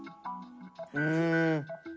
うん。